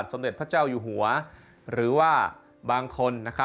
ติดตามได้จากรายงานพิเศษชิ้นนี้นะคะ